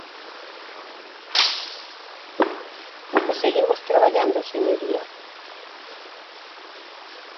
E seguimos traballando, señoría.